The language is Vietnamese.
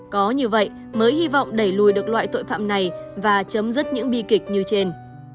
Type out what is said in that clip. có như vậy mới hy vọng đẩy lùi được loại tội phạm này và chấm dứt những bi kịch như trên